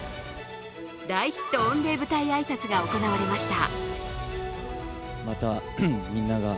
大ヒット御礼舞台挨拶が行われました。